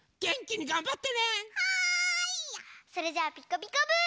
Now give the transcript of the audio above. それじゃあ「ピカピカブ！」。